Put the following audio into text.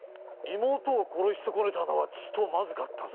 妹を殺し損ねたのはちとまずかったぞ。